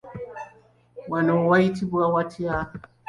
Wano wayitibwa watya?